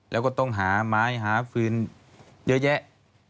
แล้วก็ต้องหาไม้หาฟืนเยอะแยะ